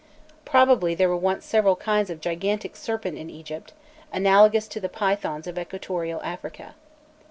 Probably there were once several kinds of gigantic serpent in Egypt, analogous to the pythons of equatorial Africa.